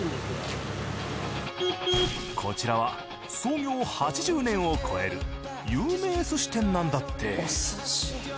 こちらは創業８０年を超える有名寿司店なんだって。